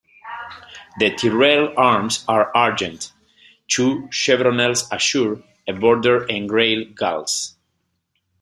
The Tyrrell arms are Argent, two chevronels azure, a border engrailed gules.